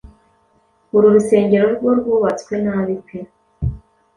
Uru rusengero ngo rwubatswe nabi pe